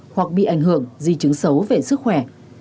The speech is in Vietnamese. hoặc bị ảnh hưởng di chứng xấu về sức khỏe